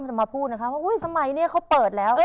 แล้วถ้ามาพูดนะครับเฮ้ยสมัยนี้เขาเปิดแล้ว